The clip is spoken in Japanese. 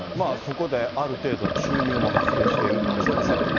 そこである程度の収入も発生しているということもあると思い